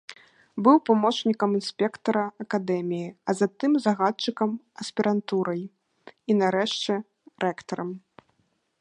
Быў памочнікам інспектара акадэміі, а затым загадчыкам аспірантурай і, нарэшце, рэктарам.